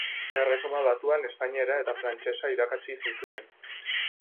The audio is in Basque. Erresuma Batuan espainiera eta frantsesa irakatsi zituen.